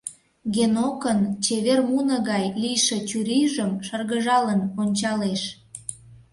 Генокын чевер муно гай лийше чурийжым шыргыжалын ончалеш.